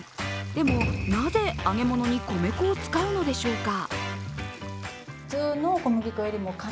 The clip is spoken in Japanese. でも、なぜ揚げ物に米粉を使うのでしょうか。